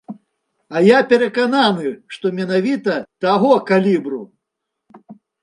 А я перакананы, што менавіта таго калібру.